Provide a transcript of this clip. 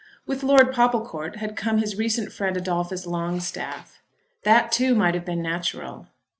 With Lord Popplecourt had come his recent friend Adolphus Longstaff. That too might have been natural.